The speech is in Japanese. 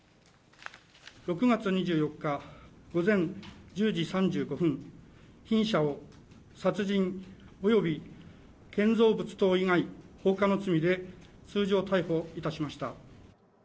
６月２４日午前１０時３５分、被疑者を殺人および建造物等以外放火の罪で通常逮捕いたしました。